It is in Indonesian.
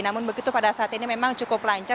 namun begitu pada saat ini memang cukup lancar